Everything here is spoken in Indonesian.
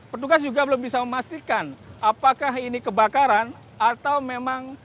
petugas juga belum bisa memastikan apakah ini kebakaran atau memang